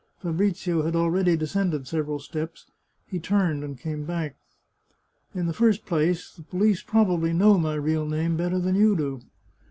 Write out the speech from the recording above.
Fabrizio had already descended several steps ; he turned and came back. " In the first place, the police probably know my real name better than you do.